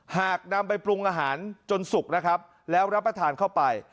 หากนำไปปรุงอาหารจนสุกนะครับแล้วรับประทานเข้าไป